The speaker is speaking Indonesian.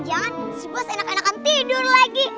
jangan si bos enak enakan tidur lagi